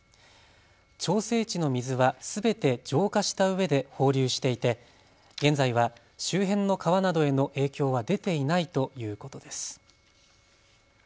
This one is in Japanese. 調整池の水はすべて浄化したうえで放流していて現在は周辺の川などへの影響は出ていないということです。